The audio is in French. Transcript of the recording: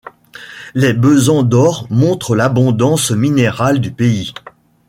Les besans d'or montrent l'abondance minérale du pays.